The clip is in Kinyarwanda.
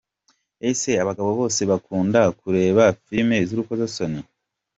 Ese abagabo bose bakunda kureba filime z’urukozasoni?